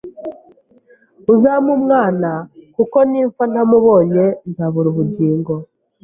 uzampe umwana kuko nimfa ntamubonye nzabura ubugingo